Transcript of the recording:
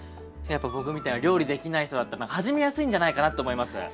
やっぱ僕みたいな料理できない人だったら始めやすいんじゃないかなと思います。